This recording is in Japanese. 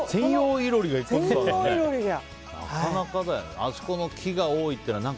あそこの木が多いっていうのは。